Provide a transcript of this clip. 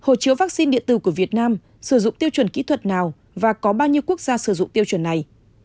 bốn hộ chiếu vaccine điện tử của việt nam sử dụng tiêu chuẩn kỹ thuật nào và có bao nhiêu quốc gia sử dụng tiêu chuẩn này